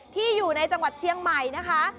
ที่อยู่ในจังหวัดเชียงใหม่นะคะ